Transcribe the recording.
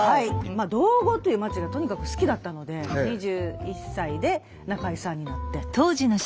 道後という街がとにかく好きだったので２１歳で仲居さんになって。